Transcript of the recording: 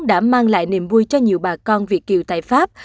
đã mang lại niềm vui cho nhiều bà con việt kiều tại pháp